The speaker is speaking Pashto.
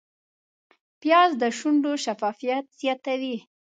پیاز د شونډو شفافیت زیاتوي